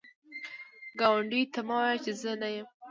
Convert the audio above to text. ګاونډي ته مه وایی چې زه نه یم